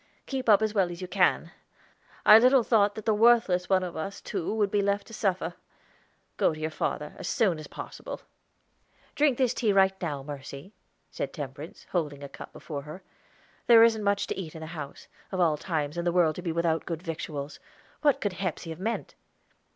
Keep up as well as you can. I little thought that the worthless one of us two would be left to suffer. Go to your father, as soon as possible." "Drink this tea right down, Mercy," said Temperance, holding a cup before her. "There isn't much to eat in the house. Of all times in the world to be without good victuals! What could Hepsey have meant?"